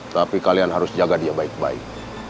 tapi kalian harus jaga dia baik baik